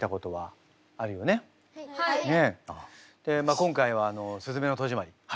今回は「すずめの戸締まり」